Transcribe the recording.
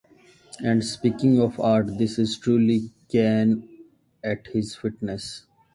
And speaking of art, this is truly Kane at his finest.